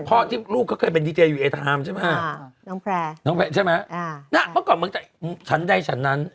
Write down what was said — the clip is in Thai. ที่ลูกเขาเคยเป็นดีเจยูเอทามใช่ไหมน้องแพร่น้องแพร่ใช่ไหมณเมื่อก่อนเมืองฉันใดฉันนั้น